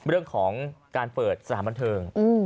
เรื่องของการเปิดสถานบันเทิง